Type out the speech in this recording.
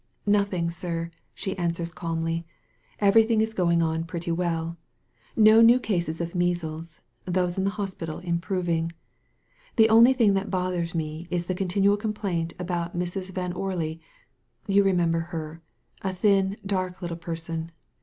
"Nothing, sir, she answers calmly. "Every thing is going on pretty well. No new cases of measles — those in hospital improving. The only thing that bothers me is the continual complaint SO A CITY OF REFUGE about that Mrs. Van Orley — you remember her, a thin, dark Uttle person.